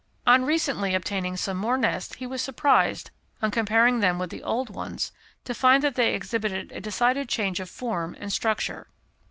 On recently obtaining some more nests he was surprised, on comparing them with the old ones, to find that they exhibited a decided change of form and structure.